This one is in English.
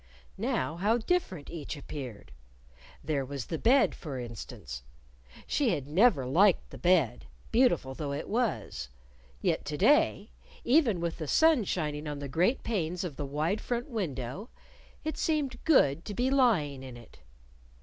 Now how different each appeared! There was the bed, for instance. She had never liked the bed, beautiful though it was. Yet to day, even with the sun shining on the great panes of the wide front window, it seemed good to be lying in it.